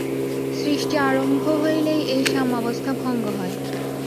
সৃষ্টি আরম্ভ হইলেই এই সাম্যাবস্থা ভঙ্গ হয়।